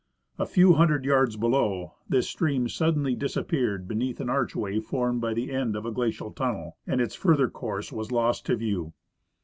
A few hundred yards below, this stream suddenly disappeared beneath an arch way formed by the end of a glacial tunnel, and its further course was lost to view.